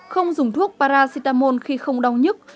không dùng thuốc paracetamol khi không đau nhức